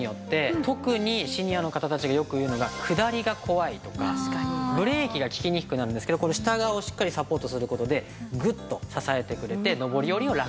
特にシニアの方たちがよく言うのが下りが怖いとかブレーキが利きにくくなるんですけどこの下側をしっかりサポートする事でグッと支えてくれて上り下りをラクにしてくれます。